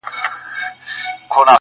o غټ بدن داسي قوي لکه زمری ؤ,